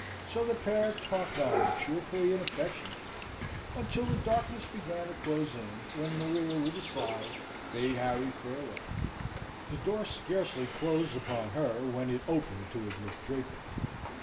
So the pair talked on cheerfully and affectionately until the darkness began to close in, when Maria, with a sigh, bade Harry farewell. The door scarcely closed upon her, when it opened to admit Draper.